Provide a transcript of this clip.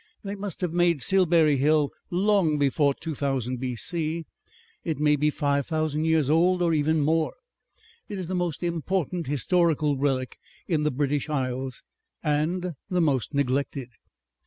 "They must have made Silbury Hill long before 2000 B.C. It may be five thousand years old or even more. It is the most important historical relic in the British Isles. And the most neglected."